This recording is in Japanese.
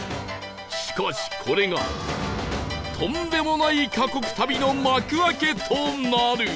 しかしこれがとんでもない過酷旅の幕開けとなる